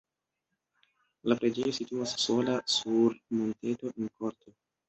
La preĝejo situas sola sur monteto en korto.